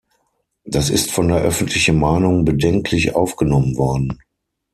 Das ist von der öffentlichen Meinung bedenklich aufgenommen worden.